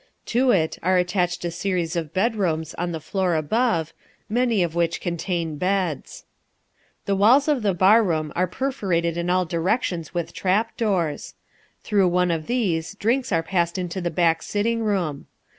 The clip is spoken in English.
To it are attached a series of bedrooms on the floor above, many of which contain beds. The walls of the bar room are perforated in all directions with trap doors. Through one of these drinks are passed into the back sitting room.